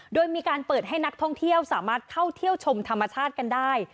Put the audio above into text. โดยมีการเปิดให้นักท่องเที่ยวสามารถเข้าเที่ยวชมธรรมชาติกันได้